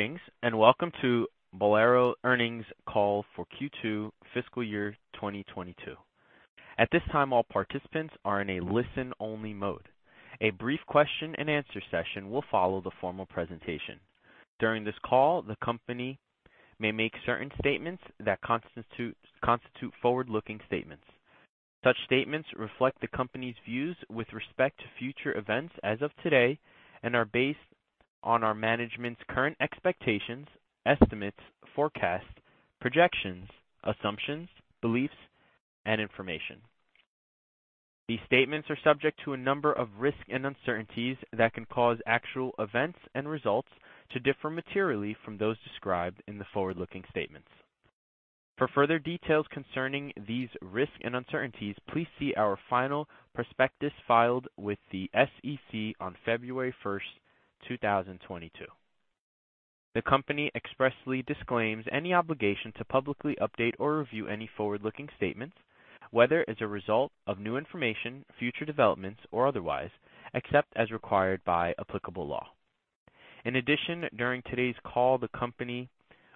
Greetings, welcome to Bowlero earnings call for Q2 fiscal year 2022. At this time, all participants are in a listen-only mode. A brief question and answer session will follow the formal presentation. During this call, the company may make certain statements that constitute forward-looking statements. Such statements reflect the company's views with respect to future events as of today, and are based on our management's current expectations, estimates, forecasts, projections, assumptions, beliefs, and information. These statements are subject to a number of risks and uncertainties that can cause actual events and results to differ materially from those described in the forward-looking statements. For further details concerning these risks and uncertainties, please see our final prospectus filed with the SEC on February 1, 2022. The company expressly disclaims any obligation to publicly update or review any forward-looking statements, whether as a result of new information, future developments, or otherwise, except as required by applicable law. In addition, during today's call, the company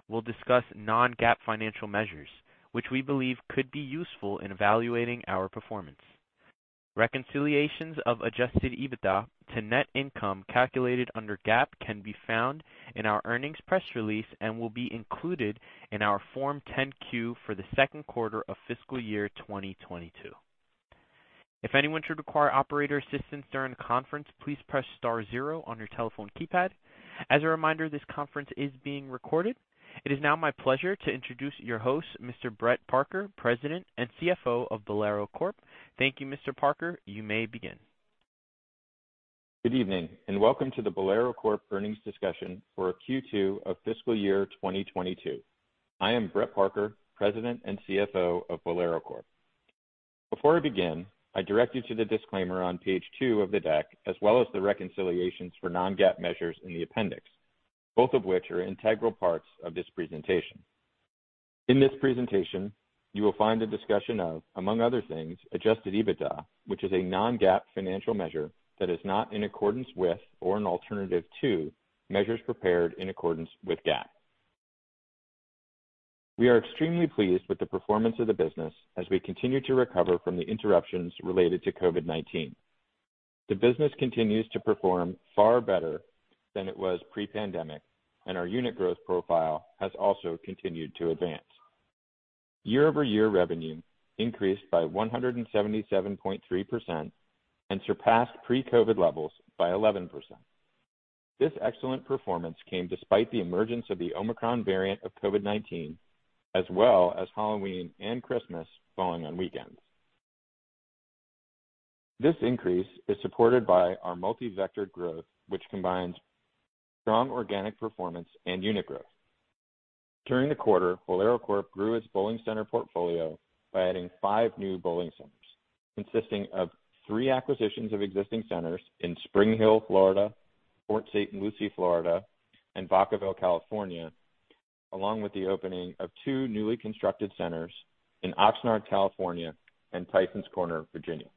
will discuss non-GAAP financial measures, which we believe could be useful in evaluating our performance. Reconciliations of adjusted EBITDA to net income calculated under GAAP can be found in our earnings press release and will be included in our Form 10-Q for the second quarter of fiscal year 2022. If anyone should require operator assistance during the conference, please press star zero on your telephone keypad. As a reminder, this conference is being recorded. It is now my pleasure to introduce your host, Mr. Brett Parker, President and CFO of Bowlero Corp. Thank you, Mr. Parker. You may begin. Good evening, and welcome to the Bowlero Corp earnings discussion for Q2 of fiscal year 2022. I am Brett Parker, President and CFO of Bowlero Corp. Before we begin, I direct you to the disclaimer on page 2 of the deck, as well as the reconciliations for non-GAAP measures in the appendix, both of which are integral parts of this presentation. In this presentation, you will find a discussion of, among other things, adjusted EBITDA, which is a non-GAAP financial measure that is not in accordance with or an alternative to measures prepared in accordance with GAAP. We are extremely pleased with the performance of the business as we continue to recover from the interruptions related to COVID-19. The business continues to perform far better than it was pre-pandemic, and our unit growth profile has also continued to advance. Year-over-year revenue increased by 177.3% and surpassed pre-COVID levels by 11%. This excellent performance came despite the emergence of the Omicron variant of COVID-19, as well as Halloween and Christmas falling on weekends. This increase is supported by our multi-vector growth, which combines strong organic performance and unit growth. During the quarter, Bowlero Corp grew its bowling center portfolio by adding five new bowling centers, consisting of three acquisitions of existing centers in Spring Hill, Florida, Port St. Lucie, Florida, and Vacaville, California, along with the opening of two newly constructed centers in Oxnard, California, and Tysons Corner, Virginia.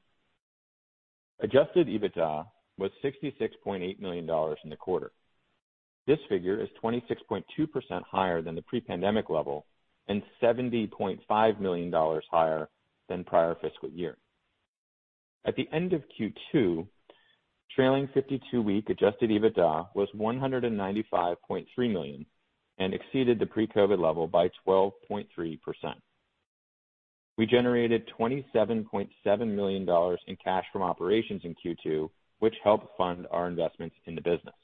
Adjusted EBITDA was $66.8 million in the quarter. This figure is 26.2% higher than the pre-pandemic level and $70.5 million higher than prior fiscal year. At the end of Q2, trailing 52-week adjusted EBITDA was $195.3 million and exceeded the pre-COVID level by 12.3%. We generated $27.7 million in cash from operations in Q2, which helped fund our investments in the business.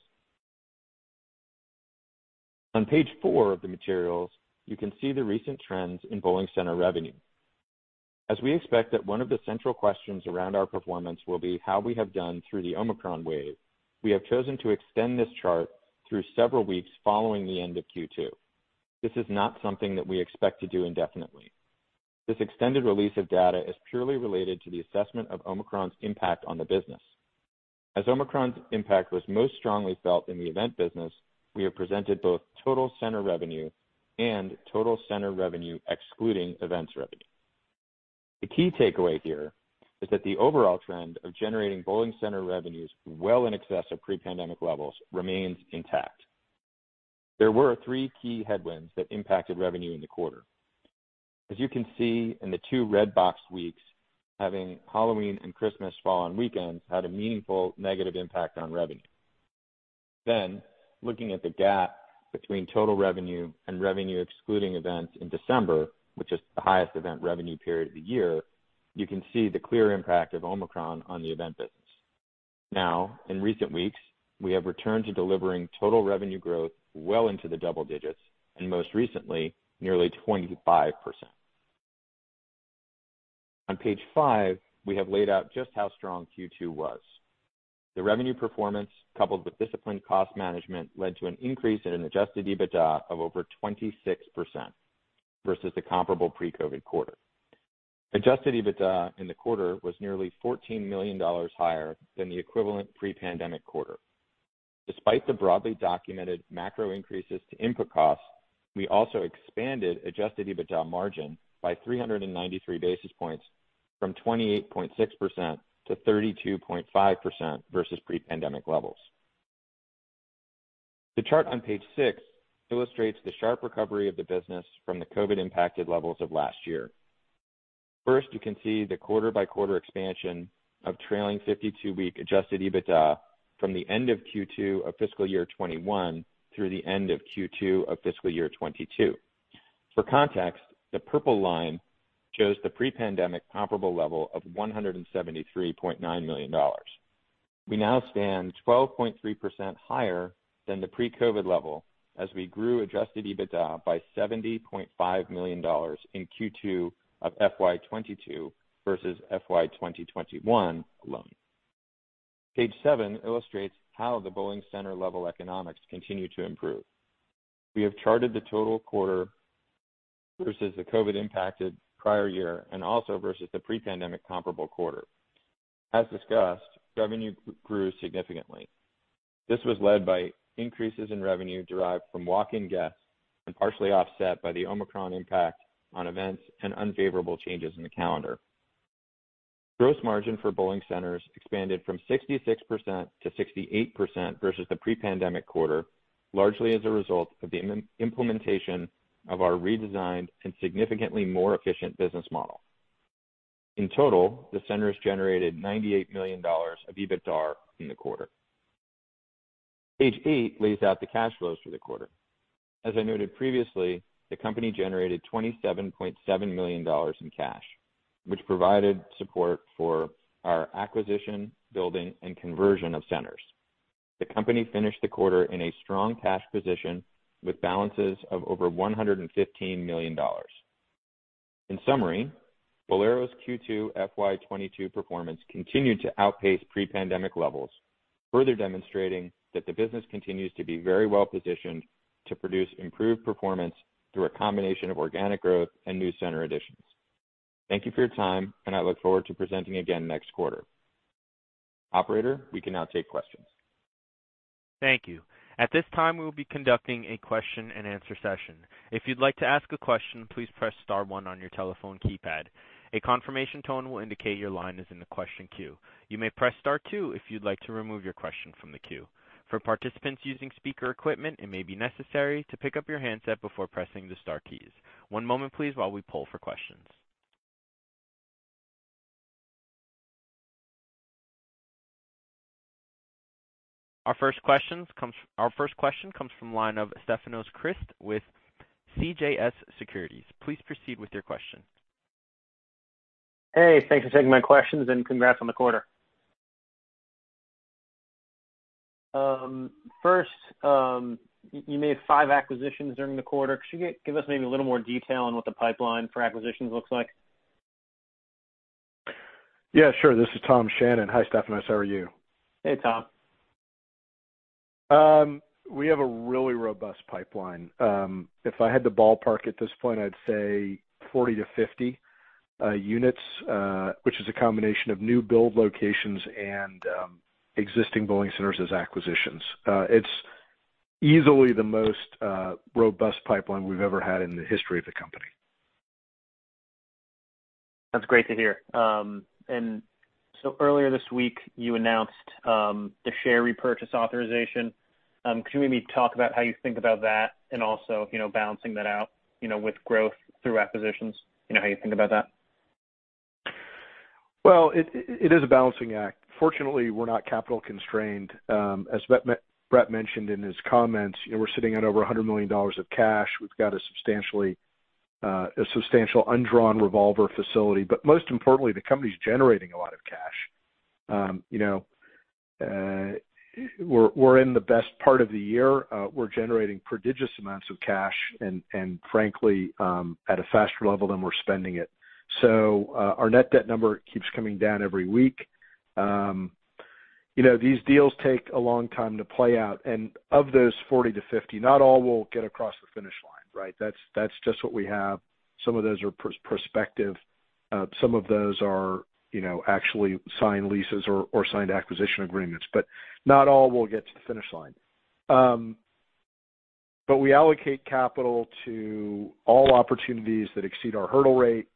On page 4 of the materials, you can see the recent trends in bowling center revenue. As we expect that one of the central questions around our performance will be how we have done through the Omicron wave, we have chosen to extend this chart through several weeks following the end of Q2. This is not something that we expect to do indefinitely. This extended release of data is purely related to the assessment of Omicron's impact on the business. As Omicron's impact was most strongly felt in the event business, we have presented both total center revenue and total center revenue excluding events revenue. The key takeaway here is that the overall trend of generating bowling center revenues well in excess of pre-pandemic levels remains intact. There were three key headwinds that impacted revenue in the quarter. As you can see in the two red box weeks, having Halloween and Christmas fall on weekends had a meaningful negative impact on revenue. Looking at the gap between total revenue and revenue excluding events in December, which is the highest event revenue period of the year, you can see the clear impact of Omicron on the event business. Now, in recent weeks, we have returned to delivering total revenue growth well into the double digits, and most recently, nearly 25%. On page five, we have laid out just how strong Q2 was. The revenue performance, coupled with disciplined cost management, led to an increase in adjusted EBITDA of over 26% versus the comparable pre-COVID quarter. Adjusted EBITDA in the quarter was nearly $14 million higher than the equivalent pre-pandemic quarter. Despite the broadly documented macro increases to input costs, we also expanded adjusted EBITDA margin by 393 basis points. From 28.6% to 32.5% versus pre-pandemic levels. The chart on page five illustrates the sharp recovery of the business from the COVID impacted levels of last year. First, you can see the quarter-by-quarter expansion of trailing 52-week adjusted EBITDA from the end of Q2 of FY 2021 through the end of Q2 of FY 2022. For context, the purple line shows the pre-pandemic comparable level of $173.9 million. We now stand 12.3% higher than the pre-COVID level as we grew adjusted EBITDA by $70.5 million in Q2 of FY 2022 versus FY 2021 alone. Page seven illustrates how the bowling center level economics continue to improve. We have charted the total quarter versus the COVID impacted prior year and also versus the pre-pandemic comparable quarter. As discussed, revenue grew significantly. This was led by increases in revenue derived from walk-in guests and partially offset by the Omicron impact on events and unfavorable changes in the calendar. Gross margin for bowling centers expanded from 66% to 68% versus the pre-pandemic quarter, largely as a result of the implementation of our redesigned and significantly more efficient business model. In total, the centers generated $98 million of EBITDAR in the quarter. Page eight lays out the cash flows for the quarter. As I noted previously, the company generated $27.7 million in cash, which provided support for our acquisition, building and conversion of centers. The company finished the quarter in a strong cash position with balances of over $115 million. In summary, Bowlero's Q2 FY 2022 performance continued to outpace pre-pandemic levels, further demonstrating that the business continues to be very well-positioned to produce improved performance through a combination of organic growth and new center additions. Thank you for your time, and I look forward to presenting again next quarter. Operator, we can now take questions. Thank you. At this time, we will be conducting a question and answer session. If you'd like to ask a question, please press star one on your telephone keypad. A confirmation tone will indicate your line is in the question queue. You may press star two if you'd like to remove your question from the queue. For participants using speaker equipment, it may be necessary to pick up your handset before pressing the star keys. One moment please while we pull for questions. Our first question comes from the line of Stefanos Crist with CJS Securities. Please proceed with your question. Hey, thanks for taking my questions and congrats on the quarter. First, you made five acquisitions during the quarter. Could you give us maybe a little more detail on what the pipeline for acquisitions looks like? Yeah, sure. This is Tom Shannon. Hi, Stefanos. How are you? Hey, Tom. We have a really robust pipeline. If I had to ballpark at this point, I'd say 40-50 units, which is a combination of new build locations and existing bowling centers as acquisitions. It's easily the most robust pipeline we've ever had in the history of the company. That's great to hear. Earlier this week, you announced the share repurchase authorization. Could you maybe talk about how you think about that and also, you know, balancing that out, you know, with growth through acquisitions, you know, how you think about that? Well, it is a balancing act. Fortunately, we're not capital constrained. As Brett mentioned in his comments, you know, we're sitting at over $100 million of cash. We've got a substantial undrawn revolver facility, but most importantly, the company's generating a lot of cash. You know, we're in the best part of the year. We're generating prodigious amounts of cash and frankly at a faster level than we're spending it. Our net debt number keeps coming down every week. You know, these deals take a long time to play out, and of those 40-50, not all will get across the finish line, right? That's just what we have. Some of those are prospective. Some of those are, you know, actually signed leases or signed acquisition agreements. Not all will get to the finish line. We allocate capital to all opportunities that exceed our hurdle rate,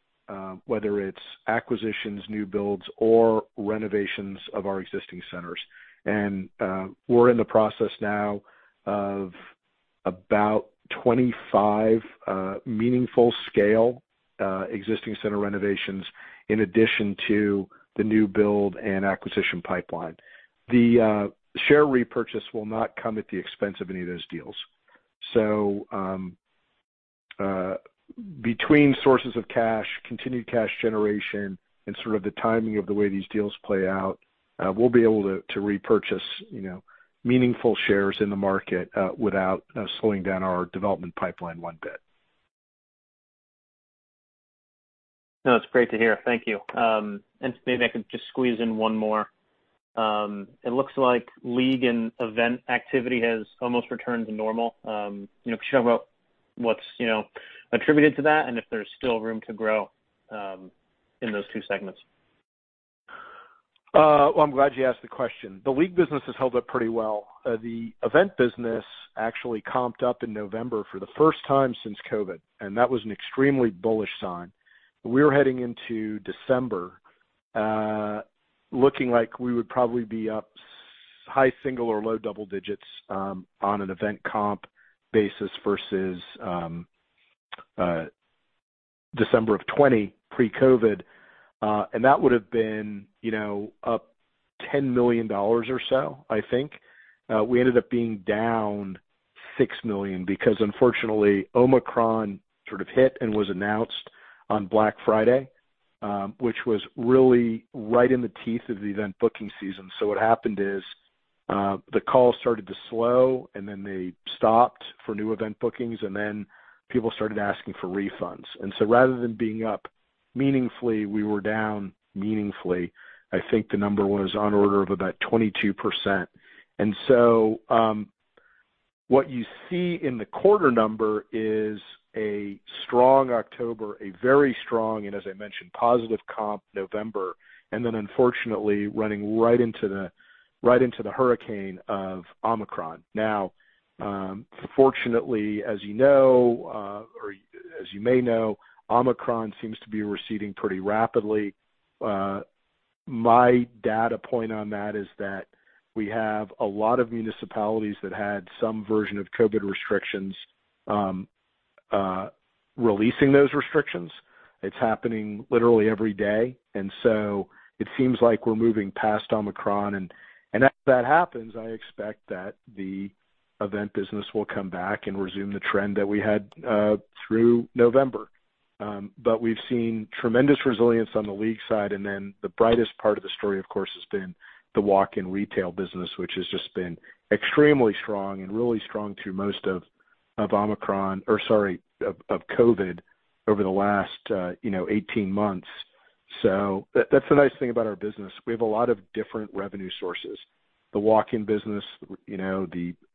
whether it's acquisitions, new builds or renovations of our existing centers. We're in the process now of about 25 meaningful scale existing center renovations in addition to the new build and acquisition pipeline. The share repurchase will not come at the expense of any of those deals. Between sources of cash, continued cash generation, and sort of the timing of the way these deals play out, we'll be able to repurchase, you know, meaningful shares in the market, without slowing down our development pipeline one bit. No, that's great to hear. Thank you. Maybe I could just squeeze in one more. It looks like league and event activity has almost returned to normal. You know, could you talk about what's, you know, attributed to that, and if there's still room to grow, in those two segments? Well, I'm glad you asked the question. The league business has held up pretty well. The event business actually comped up in November for the first time since COVID, and that was an extremely bullish sign. We were heading into December, looking like we would probably be up high single or low double digits, on an event comp basis versus December of 2020, pre-COVID. And that would have been, you know, up $10 million or so, I think. We ended up being down $6 million because unfortunately, Omicron sort of hit and was announced on Black Friday, which was really right in the teeth of the event booking season. What happened is, the calls started to slow, and then they stopped for new event bookings, and then people started asking for refunds. Rather than being up meaningfully, we were down meaningfully. I think the number was on the order of about 22%. What you see in the quarter number is a strong October, a very strong, and as I mentioned, positive comp November, and then unfortunately running right into the hurricane of Omicron. Now, fortunately, as you know, or as you may know, Omicron seems to be receding pretty rapidly. My data point on that is that we have a lot of municipalities that had some version of COVID-19 restrictions releasing those restrictions. It's happening literally every day. It seems like we're moving past Omicron. As that happens, I expect that the event business will come back and resume the trend that we had through November. We've seen tremendous resilience on the league side. The brightest part of the story, of course, has been the walk-in retail business, which has just been extremely strong and really strong through most of Omicron or sorry, of COVID over the last 18 months. That's the nice thing about our business. We have a lot of different revenue sources, the walk-in business, you know,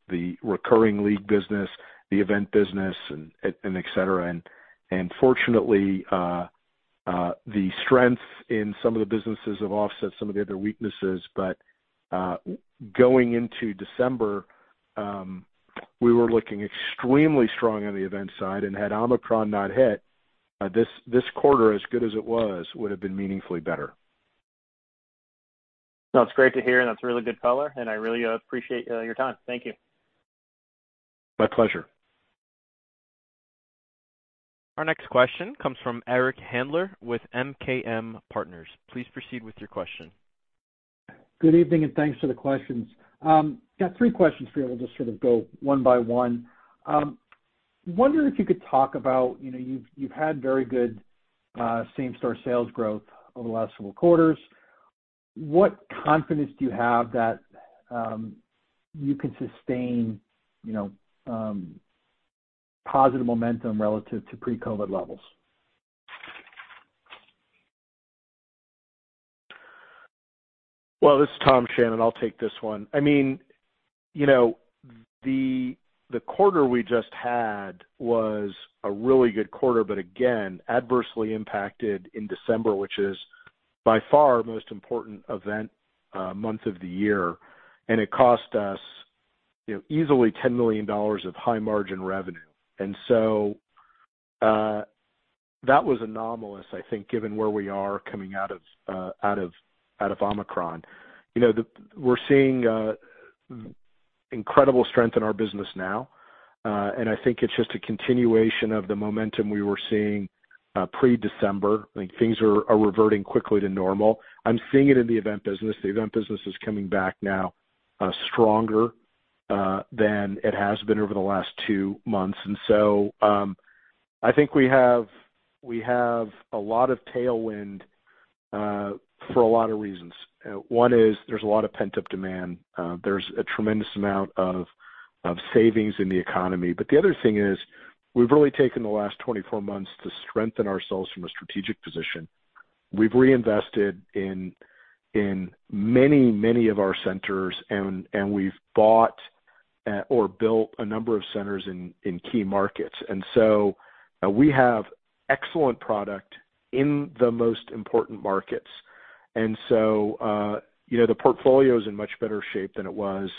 the recurring league business, the event business and et cetera. Fortunately, the strength in some of the businesses have offset some of the other weaknesses. Going into December, we were looking extremely strong on the event side. Had Omicron not hit, this quarter, as good as it was, would have been meaningfully better. That's great to hear, and that's really good color, and I really appreciate your time. Thank you. My pleasure. Our next question comes from Eric Handler with MKM Partners. Please proceed with your question. Good evening, and thanks for the questions. Got three questions for you. I'll just sort of go one by one. Wondering if you could talk about, you know, you've had very good same-store sales growth over the last several quarters. What confidence do you have that you can sustain, you know, positive momentum relative to pre-COVID levels? Well, this is Tom Shannon. I'll take this one. I mean, you know, the quarter we just had was a really good quarter, but again, adversely impacted in December, which is by far our most important event month of the year. It cost us, you know, easily $10 million of high-margin revenue. That was anomalous, I think, given where we are coming out of Omicron. You know, we're seeing incredible strength in our business now. I think it's just a continuation of the momentum we were seeing pre-December. Like, things are reverting quickly to normal. I'm seeing it in the event business. The event business is coming back now, stronger than it has been over the last two months. I think we have a lot of tailwind for a lot of reasons. One is there's a lot of pent-up demand. There's a tremendous amount of savings in the economy. The other thing is, we've really taken the last 24 months to strengthen ourselves from a strategic position. We've reinvested in many of our centers, and we've bought or built a number of centers in key markets. We have excellent product in the most important markets. You know, the portfolio is in much better shape than it was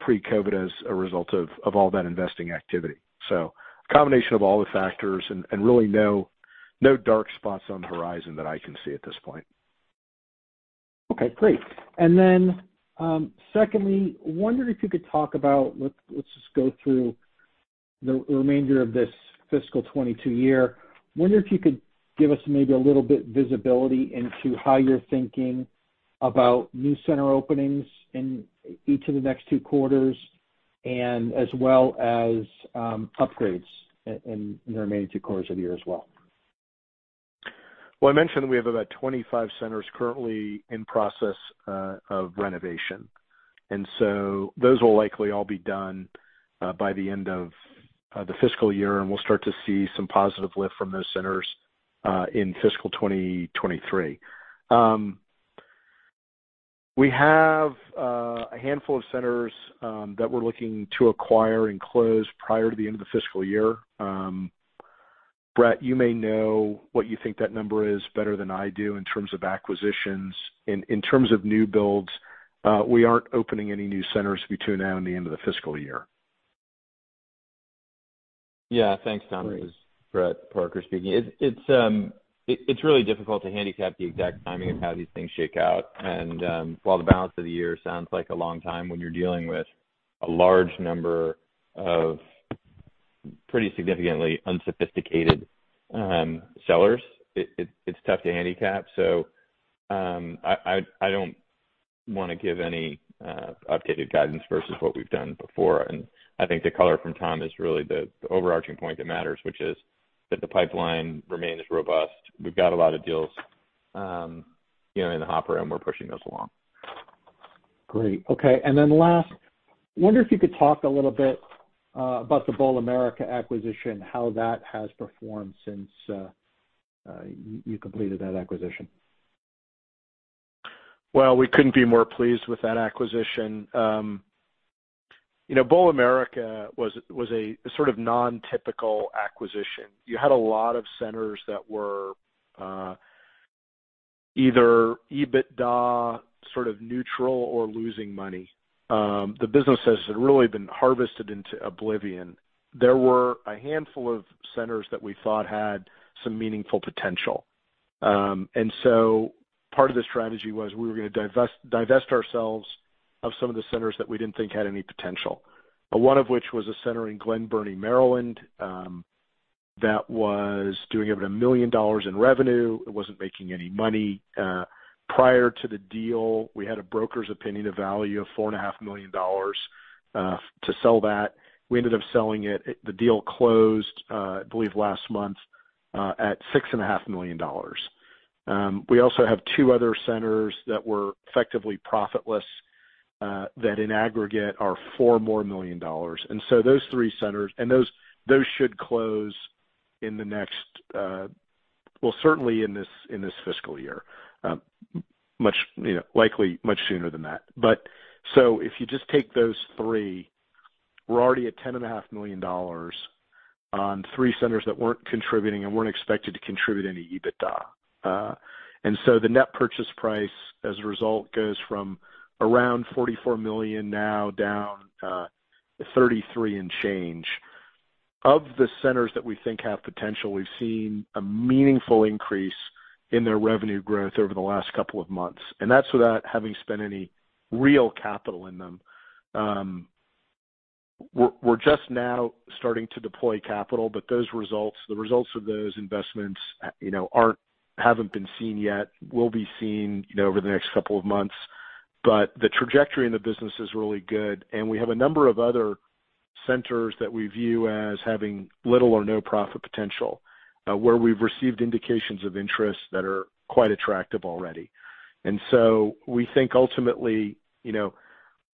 pre-COVID as a result of all that investing activity. A combination of all the factors and really no dark spots on the horizon that I can see at this point. Okay, great. Secondly, wondering if you could talk about, let's just go through the remainder of this fiscal 2022 year. Wondering if you could give us maybe a little bit visibility into how you're thinking about new center openings in each of the next two quarters and as well as, upgrades in the remaining two quarters of the year as well. I mentioned we have about 25 centers currently in process of renovation, and those will likely all be done by the end of the fiscal year, and we'll start to see some positive lift from those centers in fiscal 2023. We have a handful of centers that we're looking to acquire and close prior to the end of the fiscal year. Brett, you may know what you think that number is better than I do in terms of acquisitions. In terms of new builds, we aren't opening any new centers between now and the end of the fiscal year. Yeah. Thanks, Tom. This is Brett Parker speaking. It's really difficult to handicap the exact timing of how these things shake out. While the balance of the year sounds like a long time when you're dealing with a large number of pretty significantly unsophisticated sellers, it's tough to handicap. I don't wanna give any updated guidance versus what we've done before. I think the color from Tom is really the overarching point that matters, which is that the pipeline remains robust. We've got a lot of deals, you know, in the hopper, and we're pushing those along. Great. Okay. Last, I wonder if you could talk a little bit about the Bowl America acquisition, how that has performed since you completed that acquisition. Well, we couldn't be more pleased with that acquisition. You know, Bowl America was a sort of non-typical acquisition. You had a lot of centers that were either EBITDA sort of neutral or losing money. The business has really been harvested into oblivion. There were a handful of centers that we thought had some meaningful potential. And so part of the strategy was we were gonna divest ourselves of some of the centers that we didn't think had any potential, but one of which was a center in Glen Burnie, Maryland, that was doing over $1 million in revenue. It wasn't making any money. Prior to the deal, we had a broker's opinion of value of $4.5 million to sell that. We ended up selling it. The deal closed, I believe last month, at $6.5 million. We also have two other centers that were effectively profitless, that in aggregate are $4 million. Those three centers should close in the next, well, certainly in this fiscal year, much, you know, likely much sooner than that. If you just take those three, we're already at $10.5 million on three centers that weren't contributing and weren't expected to contribute any EBITDA. The net purchase price as a result goes from around $44 million now down to 33 and change. Of the centers that we think have potential, we've seen a meaningful increase in their revenue growth over the last couple of months, and that's without having spent any real capital in them. We're just now starting to deploy capital, but those results, the results of those investments, you know, haven't been seen yet, will be seen, you know, over the next couple of months. The trajectory in the business is really good. We have a number of other centers that we view as having little or no profit potential, where we've received indications of interest that are quite attractive already. We think ultimately, you know,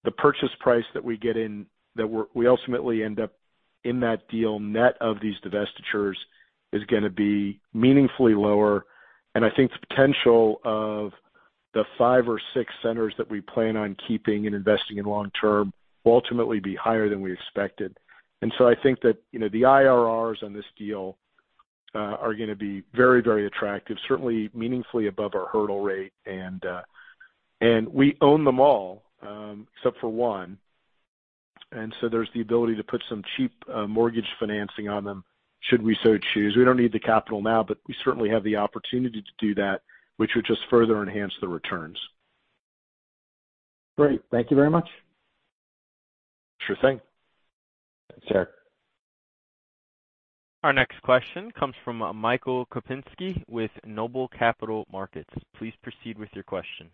the purchase price that we get in, we ultimately end up in that deal net of these divestitures is gonna be meaningfully lower. I think the potential of the five or six centers that we plan on keeping and investing in long term will ultimately be higher than we expected. I think that, you know, the IRRs on this deal are gonna be very, very attractive, certainly meaningfully above our hurdle rate. We own them all, except for one. There's the ability to put some cheap mortgage financing on them, should we so choose. We don't need the capital now, but we certainly have the opportunity to do that, which would just further enhance the returns. Great. Thank you very much. Sure thing. Thanks, Eric. Our next question comes from Michael Kupinski with Noble Capital Markets. Please proceed with your question.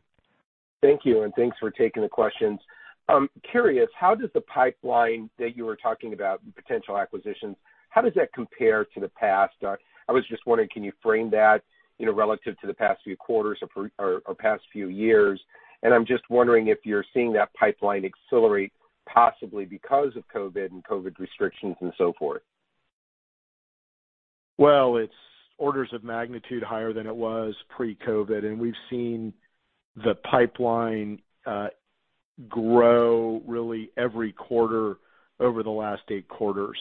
Thank you, and thanks for taking the questions. I'm curious, how does the pipeline that you were talking about, potential acquisitions, how does that compare to the past? I was just wondering, can you frame that, you know, relative to the past few quarters or past few years? I'm just wondering if you're seeing that pipeline accelerate possibly because of COVID and COVID restrictions and so forth. Well, it's orders of magnitude higher than it was pre-COVID, and we've seen the pipeline grow really every quarter over the last eight quarters.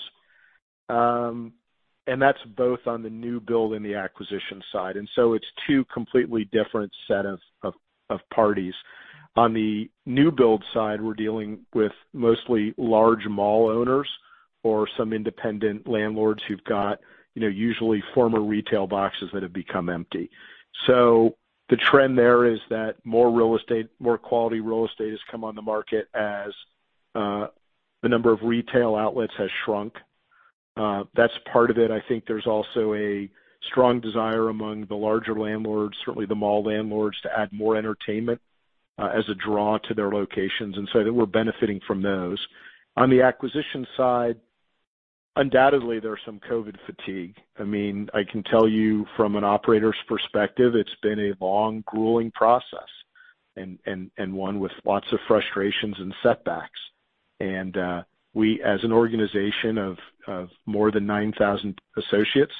And that's both on the new build and the acquisition side. It's two completely different set of parties. On the new build side, we're dealing with mostly large mall owners or some independent landlords who've got, you know, usually former retail boxes that have become empty. The trend there is that more real estate, more quality real estate has come on the market as the number of retail outlets has shrunk. That's part of it. I think there's also a strong desire among the larger landlords, certainly the mall landlords, to add more entertainment as a draw to their locations, and so that we're benefiting from those. On the acquisition side, undoubtedly, there are some COVID fatigue. I mean, I can tell you from an operator's perspective, it's been a long, grueling process and one with lots of frustrations and setbacks. We, as an organization of more than 9,000 associates,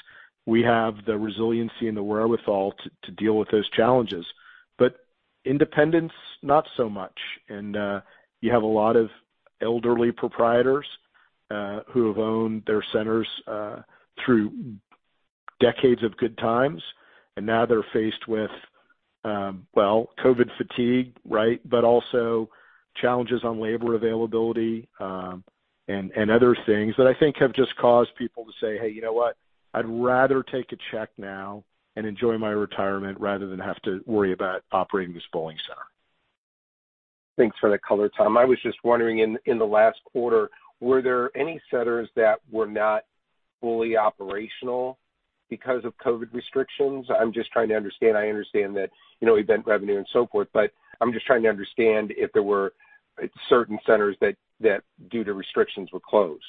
we have the resiliency and the wherewithal to deal with those challenges. Independents, not so much. You have a lot of elderly proprietors who have owned their centers through decades of good times, and now they're faced with, well, COVID fatigue, right? Also challenges on labor availability and other things that I think have just caused people to say, "Hey, you know what? I'd rather take a check now and enjoy my retirement rather than have to worry about operating this bowling center. Thanks for the color, Tom. I was just wondering, in the last quarter, were there any centers that were not fully operational because of COVID restrictions? I'm just trying to understand. I understand that, you know, event revenue and so forth, but I'm just trying to understand if there were certain centers that due to restrictions were closed.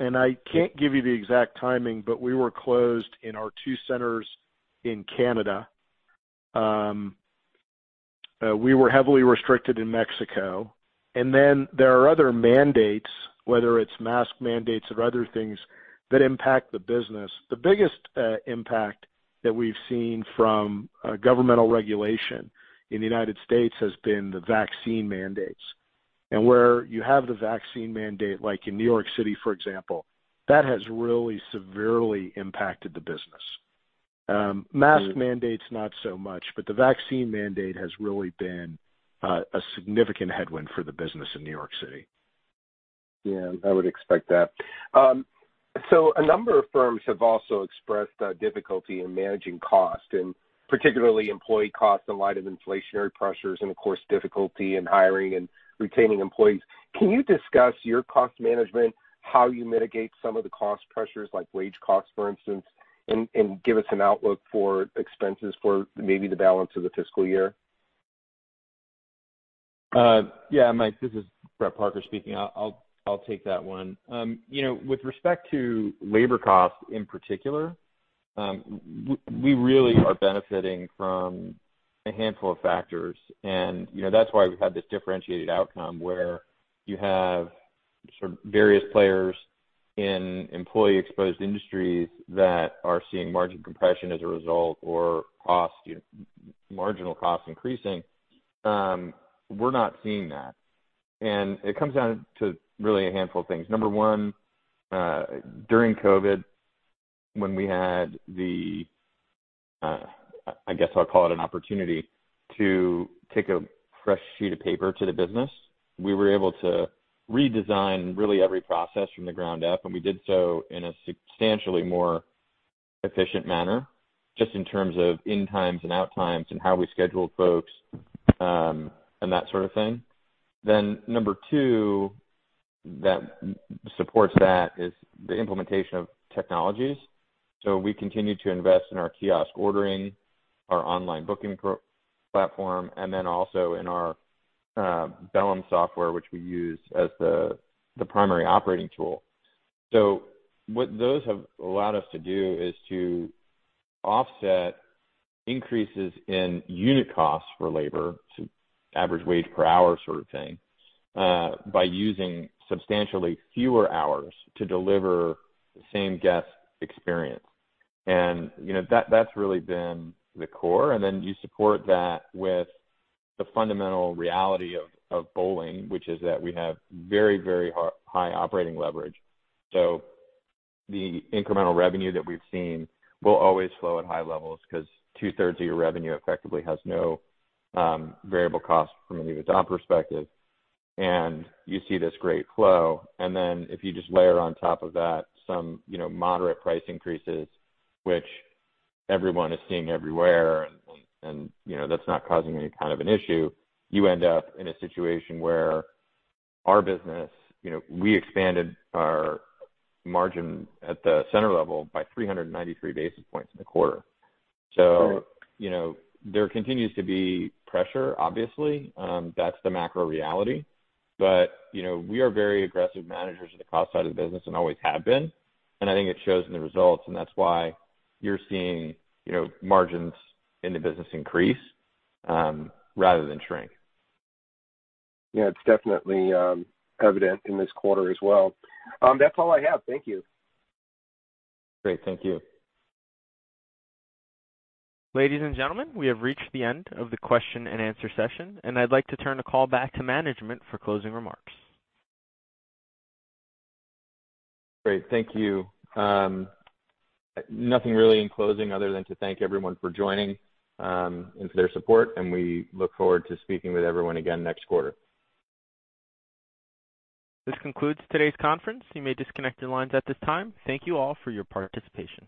I can't give you the exact timing, but we were closed in our two centers in Canada. We were heavily restricted in Mexico. There are other mandates, whether it's mask mandates or other things that impact the business. The biggest impact that we've seen from governmental regulation in the United States has been the vaccine mandates. Where you have the vaccine mandate, like in New York City, for example, that has really severely impacted the business. Mask mandates, not so much, but the vaccine mandate has really been a significant headwind for the business in New York City. Yeah, I would expect that. So a number of firms have also expressed difficulty in managing cost and particularly employee costs in light of inflationary pressures and of course, difficulty in hiring and retaining employees. Can you discuss your cost management, how you mitigate some of the cost pressures like wage costs, for instance, and give us an outlook for expenses for maybe the balance of the fiscal year? Yeah, Mike, this is Brett Parker speaking. I'll take that one. You know, with respect to labor costs in particular, we really are benefiting from a handful of factors. You know, that's why we've had this differentiated outcome where you have sort of various players in employee-exposed industries that are seeing margin compression as a result of cost, you know, marginal costs increasing. We're not seeing that. It comes down to really a handful of things. Number one, during COVID, when we had the, I guess I'll call it an opportunity to take a fresh sheet of paper to the business, we were able to redesign really every process from the ground up, and we did so in a substantially more efficient manner, just in terms of in times and out times and how we scheduled folks, and that sort of thing. Number two that supports that is the implementation of technologies. We continue to invest in our kiosk ordering, our online booking platform, and then also in our friedcrgas software, which we use as the primary operating tool. What those have allowed us to do is to offset increases in unit costs for labor to average wage per hour sort of thing, by using substantially fewer hours to deliver the same guest experience. You know, that's really been the core. Then you support that with the fundamental reality of bowling, which is that we have very high operating leverage. The incremental revenue that we've seen will always flow at high levels because two-thirds of your revenue effectively has no variable cost from a good job perspective, and you see this great flow. Then if you just layer on top of that some, you know, moderate price increases, which everyone is seeing everywhere, and you know, that's not causing any kind of an issue, you end up in a situation where our business, you know, we expanded our margin at the center level by 393 basis points in the quarter. Great. You know, there continues to be pressure, obviously. That's the macro reality. You know, we are very aggressive managers of the cost side of the business and always have been, and I think it shows in the results, and that's why you're seeing, you know, margins in the business increase rather than shrink. Yeah, it's definitely evident in this quarter as well. That's all I have. Thank you. Great. Thank you. Ladies and gentlemen, we have reached the end of the question and answer session, and I'd like to turn the call back to management for closing remarks. Great. Thank you. Nothing really in closing other than to thank everyone for joining, and for their support, and we look forward to speaking with everyone again next quarter. This concludes today's conference. You may disconnect your lines at this time. Thank you all for your participation.